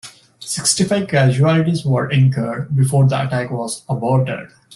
Sixty-five casualties were incurred before the attack was aborted.